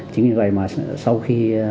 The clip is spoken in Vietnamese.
chính vì vậy mà sau khi